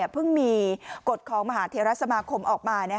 เพิ่งมีกฎของมหาเทราสมาคมออกมา